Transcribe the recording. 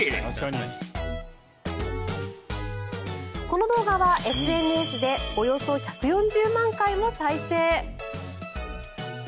この動画はＳＮＳでおよそ１４０万回も再生。